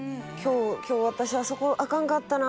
今日私あそこアカンかったな。